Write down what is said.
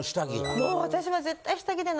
もう私は絶対。